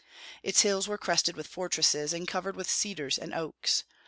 Its hills were crested with fortresses, and covered with cedars and oaks.